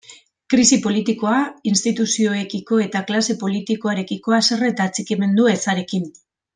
Krisi politikoa, instituzioekiko eta klase politikoarekiko haserre eta atxikimendu ezarekin.